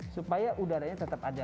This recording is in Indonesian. supaya udaranya tetap ada